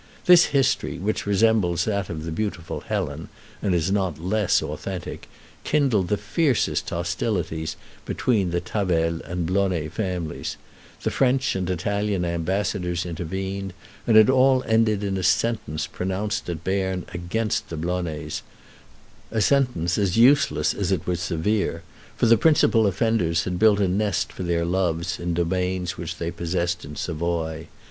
This history, which resembles that of the beautiful Helen, and is not less authentic, kindled the fiercest hostilities between the Tavel and Blonay families; the French and Italian ambassadors intervened; and it all ended in a sentence pronounced at Berne against the Blonays a sentence as useless as it was severe for the principal offenders had built a nest for their loves in domains which they possessed in Savoy.